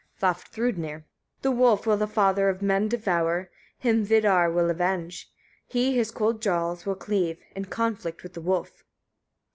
Vafthrûdnir. 53. The wolf will the father of men devour; him Vidar will avenge: he his cold jaws will cleave, in conflict with the wolf.